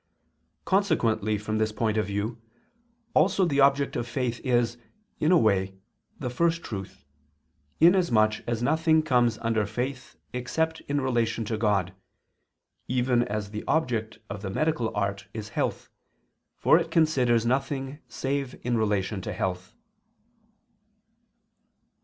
Consequently from this point of view also the object of faith is, in a way, the First Truth, in as much as nothing comes under faith except in relation to God, even as the object of the medical art is health, for it considers nothing save in relation to health.